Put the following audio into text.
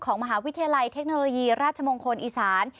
มหาวิทยาลัยเทคโนโลยีราชมงคลอีสาน